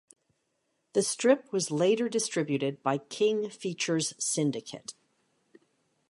The strip was later distributed by King Features Syndicate.